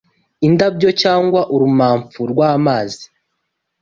indabyo cyangwa urumamfu rwamazi